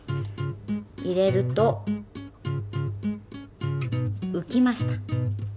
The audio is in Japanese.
入れるとうきました。